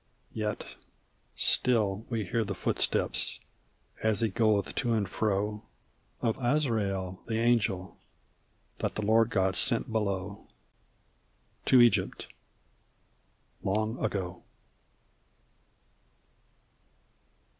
Yet still we hear the footsteps as he goeth to and fro Of Azrael, the Angel, that the Lord God sent below, To Egypt long ago.